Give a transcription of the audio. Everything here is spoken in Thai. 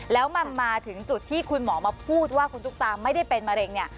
แล้วมันมาถึงจุดที่คุณหมอมาพูดว่าคุณตุ๊กตาไม่ได้เป็นมะเร็งเนี่ย